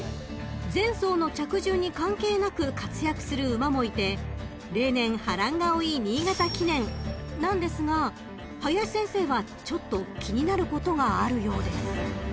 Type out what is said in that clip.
［前走の着順に関係なく活躍する馬もいて例年波乱が多い新潟記念なんですが林先生はちょっと気になることがあるようです］